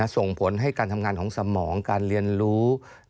ส่งผลให้การทำงานของสมองการเรียนรู้